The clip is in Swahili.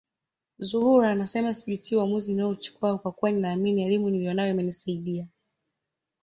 Zuhura anasema sijutii uamuzi niliouchukua kwa kuwa ninaamini elimu niliyonayo imenisaidia